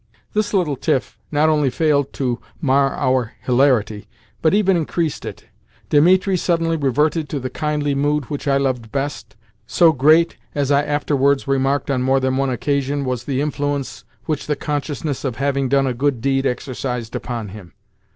This little tiff not only failed to mar our hilarity, but even increased it. Dimitri suddenly reverted to the kindly mood which I loved best so great (as I afterwards remarked on more than one occasion) was the influence which the consciousness of having done a good deed exercised upon him.